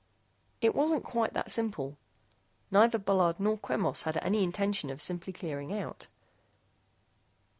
It wasn't quite that simple. Neither Bullard nor Quemos had any intention of simply clearing out.